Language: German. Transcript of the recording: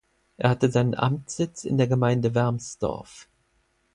Es hatte seinen Amtssitz in der Gemeinde Wermsdorf.